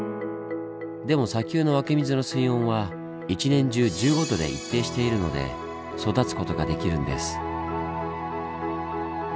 でも砂丘の湧き水の水温は一年中１５度で一定しているので育つ事ができるんです。